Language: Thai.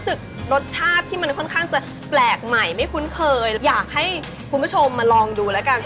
เป็นหัวที่เสียบไม้เลยทานเสร็จแล้ว